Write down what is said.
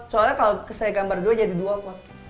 soalnya kalo saya gambar gue jadi dua pot